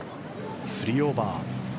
３オーバー。